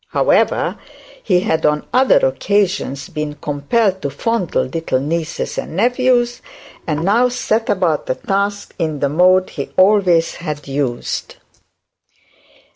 However, he had on other occasions been compelled to fondle little nieces and nephews, and now set about the task in the mode he always used.